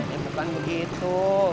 oh ya bukan begitu